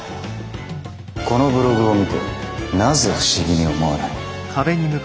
このブログを見てなぜ不思議に思わない？